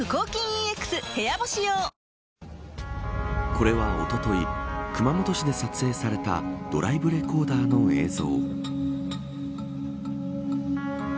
これは、おととい熊本市で撮影されたドライブレコーダーの映像。